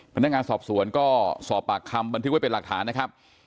พนักงานสอบสวนก็สอบปากคำบันทึกไว้เป็นหลักฐานนะครับ